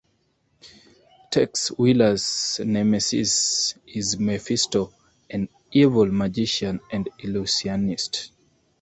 Tex Willer's nemesis is Mefisto, an evil magician and illusionist.